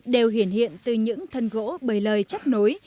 đều hiển hiện từ những thân gỗ bầy lời chấp nối